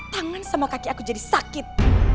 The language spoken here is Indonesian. tangan sama kaki aku jadi sakit